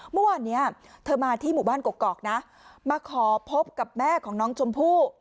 เมื่อวานนี้เธอมาที่หมู่บ้านกกอกนะมาขอพบกับแม่ของน้องชมพู่